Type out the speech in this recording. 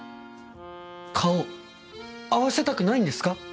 顔合わせたくないんですか？